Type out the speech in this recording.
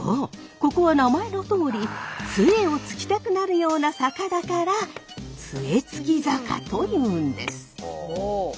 ここは名前のとおり杖をつきたくなるような坂だから杖衝坂というんです。